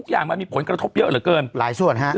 มันมีผลกระทบเยอะเหลือเกินหลายส่วน